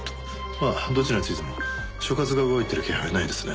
まあどちらについても所轄が動いてる気配はないですね。